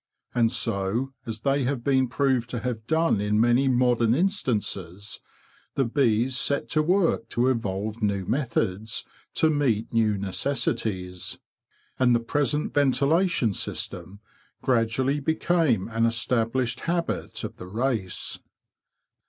And so—as they have been proved to have done in many modern instances—the bees set to work to evolve new methods to meet new necessities, and the present ventilation system gradually became an established habit of the race.